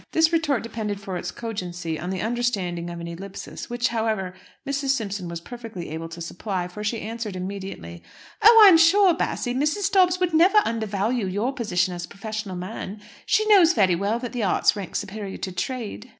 This retort depended for its cogency on the understanding of an ellipsis; which, however, Mrs. Simpson was perfectly able to supply, for she answered immediately "Oh, I'm sure, Bassy, Mrs. Dobbs would never undervalue your position as a professional man. She knows very well that the Arts rank superior to trade."